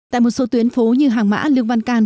tại một số tuyến phố như hàng mã lương văn can